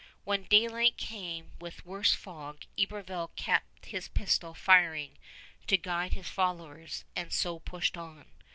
When daylight came with worse fog, Iberville kept his pistol firing to guide his followers, and so pushed on.